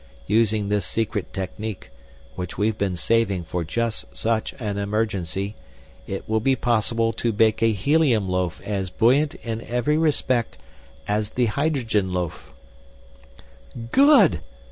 Using this secret technique, which we've been saving for just such an emergency, it will be possible to bake a helium loaf as buoyant in every respect as the hydrogen loaf." "Good!"